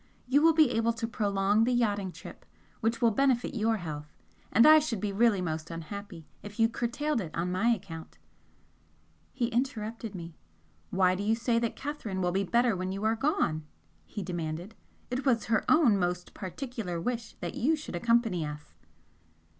You will be able to prolong the yachting trip which will benefit your health, and I should be really most unhappy if you curtailed it on my account " He interrupted me. "Why do you say that Catherine will be better when you are gone?" he demanded "It was her own most particular wish that you should accompany us."